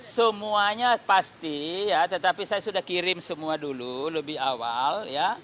semuanya pasti ya tetapi saya sudah kirim semua dulu lebih awal ya